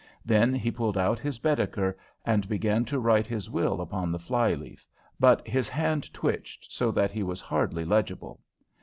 Then he pulled out his Baedeker and began to write his will upon the fly leaf, but his hand twitched so that he was hardly legible.